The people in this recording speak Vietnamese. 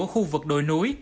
ở khu vực đồi núi